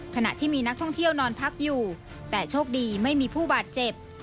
ขณะที่มีนักท่องเที่ยวนอนพักอยู่แต่โชคดีไม่มีผู้บาดเจ็บ